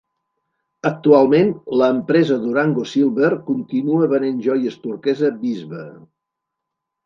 Actualment, l'empresa Durango Silver continua venent joies turquesa Bisbee.